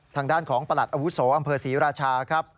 ทางด้านของประหลัดอาวุโสอำเภอศรีราชาครับ